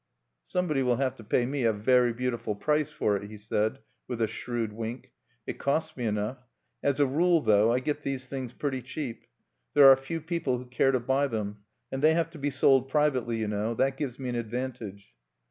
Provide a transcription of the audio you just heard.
"Somebody will have to pay me a very beautiful price for it," he said, with a shrewd wink. "It cost me enough! As a rule, though, I get these things pretty cheap. There are few people who care to buy them, and they have to be sold privately, you know: that gives me an advantage.